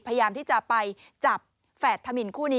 พยายามที่จะไปจับแฝดธมินคู่นี้